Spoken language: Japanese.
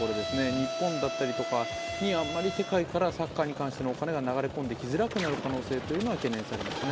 日本だったりに、あまり世界からサッカーに関してのお金が流れ込んできづらくなる可能性が懸念されますね。